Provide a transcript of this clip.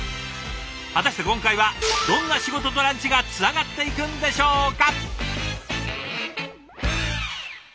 果たして今回はどんな仕事とランチがつながっていくんでしょうか！？